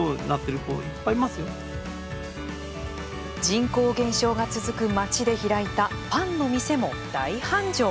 人口減少が続く町で開いたパンの店も大繁盛。